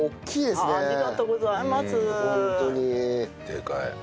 でかい。